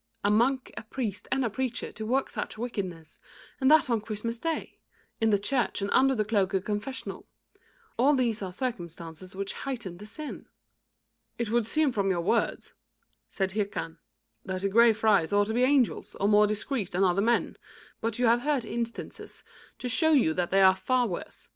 A monk, a priest and a preacher to work such wickedness, and that on Christmas day, in the church and under the cloak of the confessional all these are circumstances which heighten the sin." "It would seem from your words," said Hircan, "that the Grey Friars ought to be angels, or more discreet than other men, but you have heard instances enough to show you that they are far worse.